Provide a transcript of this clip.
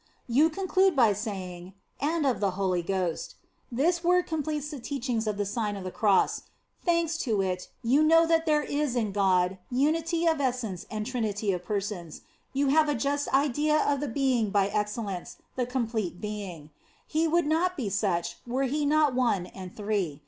You conclude by saying and of the Holy Ghost. This word completes the teachings of the Sign of the Cross Thanks to it, you know that there is in God, Unity of Essence and Trinity of Persons. You have a just idea of the Being by excellence, the com plete Being. He would not be such, were He not one and three.